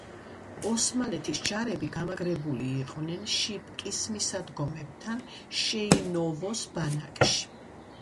ოსმალეთის ჯარები გამაგრებული იყვნენ შიპკის მისადგომებთან, შეინოვოს ბანაკში.